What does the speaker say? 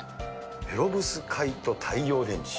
ペロブスカイト太陽電池。